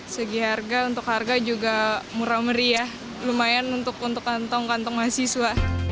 segi harga untuk harga juga murah meriah lumayan untuk kantong kantong mahasiswa